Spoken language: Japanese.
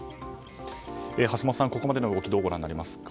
橋下さん、ここまでの動きどうご覧になりますか。